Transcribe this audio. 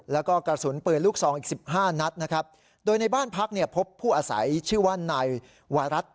แล้วก็กระสุนปืนลูกทรองอีก๑๕นัทโดยในบ้านพักพบผู้อาศัยชื่อว่านายวารัฐ